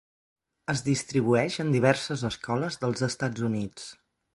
Es distribueix en diverses escoles dels Estats Units.